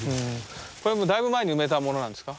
これもだいぶ前に埋めたものなんですか？